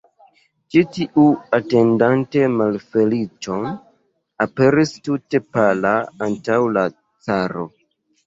Ĉi tiu, atendante malfeliĉon, aperis tute pala antaŭ la caro.